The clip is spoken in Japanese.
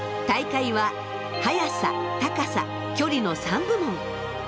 大会は速さ高さ距離の３部門。